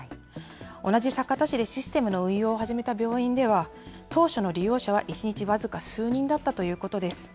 同じ酒田市でシステムの運用を始めた病院では、当初の利用者は１日僅か数人だったということです。